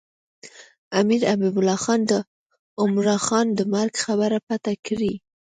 امیر حبیب الله خان د عمرا خان د مرګ خبره پټه کړې.